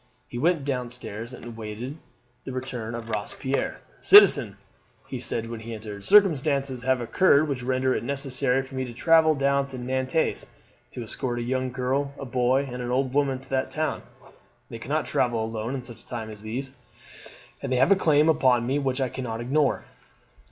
He went down stairs and waited the return of Robespierre. "Citizen," he said when he entered, "circumstances have occurred which render it necessary for me to travel down to Nantes to escort a young girl, a boy, and an old woman to that town; they cannot travel alone in such times as these, and they have a claim upon me which I cannot ignore."